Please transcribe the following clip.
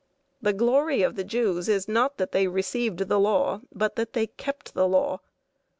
The glory of the Jews is not that they received the Law, but that they kept the Law.